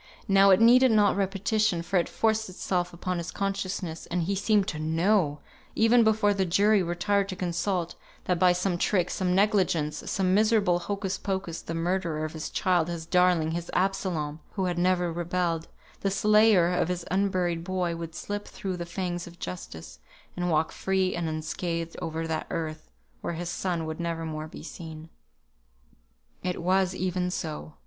Now it needed not repetition, for it forced itself upon his consciousness, and he seemed to know, even before the jury retired to consult, that by some trick, some negligence, some miserable hocus pocus, the murderer of his child, his darling, his Absalom, who had never rebelled, the slayer of his unburied boy would slip through the fangs of justice, and walk free and unscathed over that earth where his son would never more be seen. It was even so.